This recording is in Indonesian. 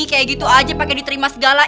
kayak gitu aja pakai diterima segala